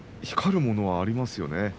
光るものはありますよね。